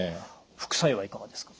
副作用はいかがですか？